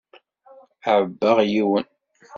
Ɛebbaɣ yiwen.